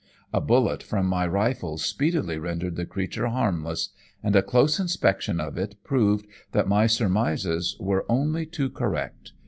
A bullet from my rifle speedily rendered the creature harmless, and a close inspection of it proved that my surmises were only too correct.